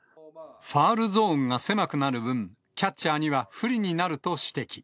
ファウルゾーンが狭くなる分、キャッチャーには不利になると指摘。